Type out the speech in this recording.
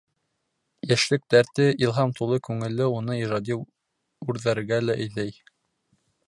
Йәшлек дәрте, илһам тулы күңеле уны ижади үрҙәргә лә әйҙәй.